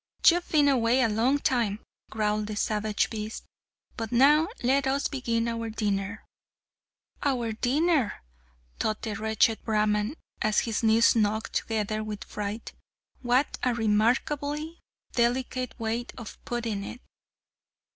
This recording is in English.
"You've been away a long time!" growled the savage beast, "but now let us begin our dinner." "Our dinner!" thought the wretched Brahman, as his knees knocked together with fright; "what a remarkably delicate way of putting it!"